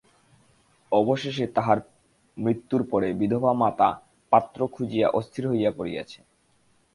অবশেষে তাহার মৃত্যুর পরে বিধবা মাতা পাত্র খুঁজিয়া অস্থির হইয়া পড়িয়াছে।